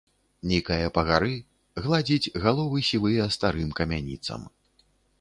Нікае па гары, гладзіць галовы сівыя старым камяніцам.